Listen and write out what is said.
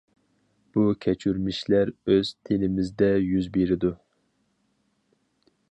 بۇ كەچۈرمىشلەر ئۆز تېنىمىزدە يۈز بېرىدۇ.